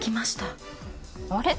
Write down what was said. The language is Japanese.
あれ？